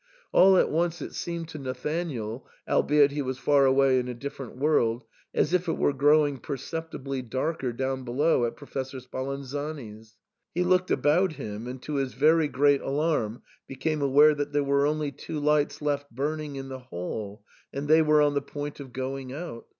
All at once it seemed to Nathanael, albeit he was far away in a different world, as if it were growing perceptibly darker down below at Professor Spalanzani's. He looked about him, and to his very great alarm be came aware that there were only two lights left burning in the hall, and they were on the point of going out.